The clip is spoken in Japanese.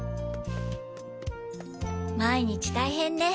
毎日大変ね。